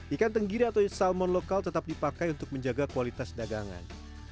ikan tenggiri atau salmon lokal tetap dipakai untuk menjaga kualitas dagangan